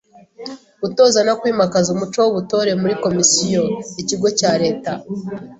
Gutoza no kwimakaza umuco w’ubutore muri komisiyo/ikigo cya leta